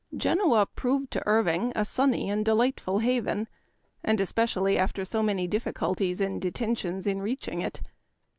Genoa proved to Irving a sunny and delight ful haven, and especially after so many difficul ties and detentions in reaching it.